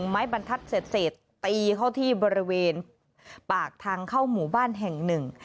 ไม้บรรทัดเศษตีเข้าที่บริเวณปากทางเข้าหมู่บ้านแห่งหนึ่ง